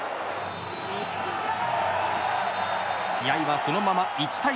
試合はそのまま１対０。